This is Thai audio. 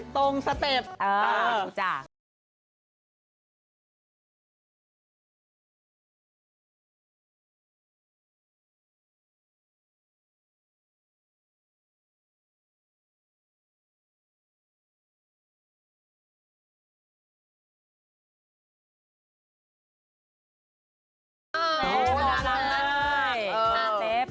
ตรงสเต็ป